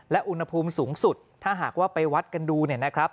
และอุณหภูมิสูงสุดถ้าหากว่าไปวัดกันดูเนี่ยนะครับ